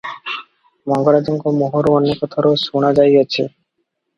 ମଙ୍ଗରାଜଙ୍କ ମୁହଁରୁ ଅନେକ ଥର ଶୁଣାଯାଇଅଛି